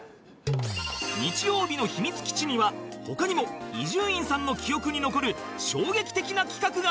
『日曜日の秘密基地』には他にも伊集院さんの記憶に残る衝撃的な企画があったという